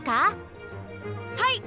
はい！